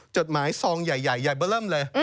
จดหมายซองใหญ่ใหญ่เบอร์เริ่มเลย